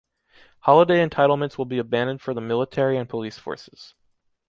Holiday entitlements will be abandoned for the military and police forces.